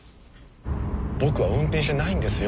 僕は運転してないんですよ。